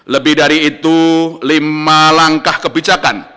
lebih dari itu lima langkah kebijakan